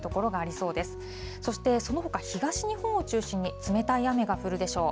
そしてそのほか東日本を中心に冷たい雨が降るでしょう。